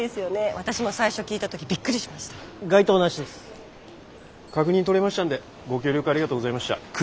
確認取れましたんでご協力ありがとうございました。